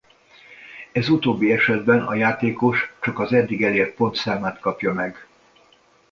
Ez utóbbi esetben a játékos csak az addig elért pontszámát kapja meg.